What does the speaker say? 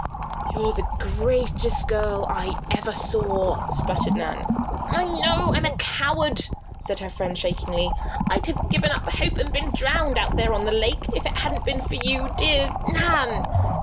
"You're the greatest girl I ever saw!" sputtered Nan. "I know I'm a coward," said her friend, shakingly. "I'd have given up all hope and been drowned, out there on the lake, if it hadn't been for you, dear Nan."